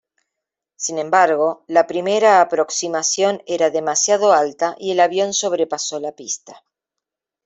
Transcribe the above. Sin embargo, la primera aproximación era demasiado alta y el avión sobrepasó la pista.